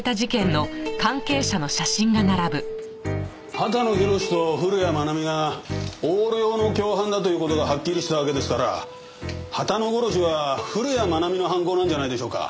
畑野宏と古谷愛美が横領の共犯だという事がはっきりしたわけですから畑野殺しは古谷愛美の犯行なんじゃないでしょうか。